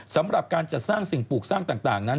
สำหรับการจัดสร้างสิ่งปลูกสร้างต่างนั้น